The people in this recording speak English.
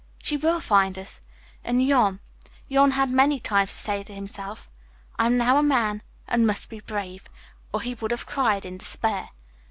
She will find us." And Jan, Jan had many times to say to himself, "I am now a man and must be brave," or he would have cried in despair.